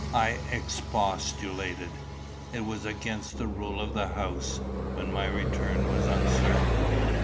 I expostulated: it was against the rule of the house, when my return was uncertain.